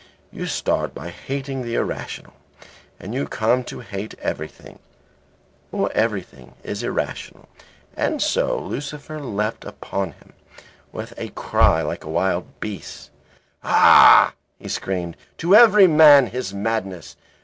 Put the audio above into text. You start by hating the irrational and you come to hate everything, for everything is irrational and so " Lucifer leapt upon him with a cry like a wild beast's. "Ah," he screamed, "to every man his madness.